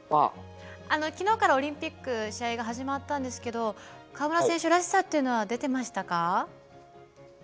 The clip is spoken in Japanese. きのうからオリンピック試合が始まったんですけど川村選手らしさというのは出てましたか？